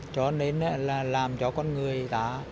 cho nên là làm cho con người ta